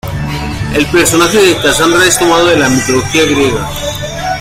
El personaje de Cassandra es tomado de la Mitología Griega